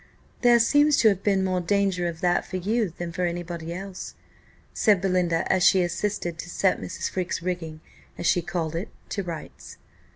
"There seems to have been more danger of that for you than for any body else," said Belinda, as she assisted to set Mrs. Freke's rigging, as she called it, to rights.